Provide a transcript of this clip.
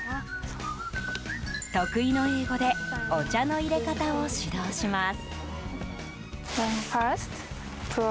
得意の英語でお茶のいれ方を指導します。